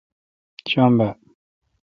شنب